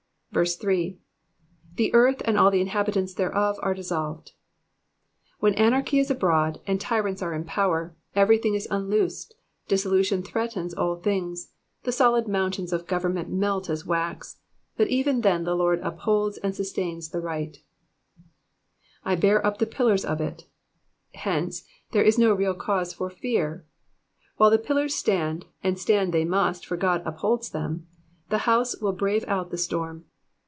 3. '^ The earth, and aU the inhabitants thereof are dissolved.'*^ When anarchy is abroad, and tyrants are in power, everything is unloosed, dissolution threatens all things, the solid mountains of government melt as wax ; but even then the Lord upholds and sustains the right ''I hear up the pillars of it,'' Hence, there is no real cause fur fear. While the pillars stand, and stand they must for God upholds them, the house will brave out the storm.